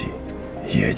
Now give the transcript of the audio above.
iya jessy putrinya om irfan